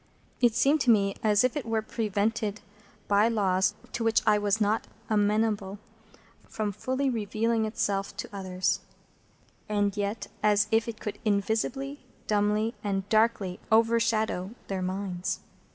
It seemed to me as if it were prevented, by laws to which I was not amenable, from fully revealing itself to others, and yet as if it could invisibly, dumbly, and darkly overshadow their minds.